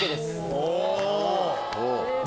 お！